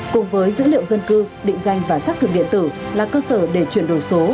cùng với dữ liệu dân cư định danh và xác thực điện tử là cơ sở để chuyển đổi số